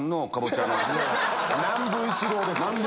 南部一郎です。